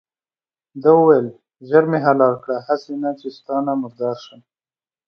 ده وویل ژر مې حلال کړه هسې نه چې ستا نه مردار شم.